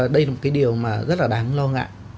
đây là một cái điều mà rất là đáng lo ngại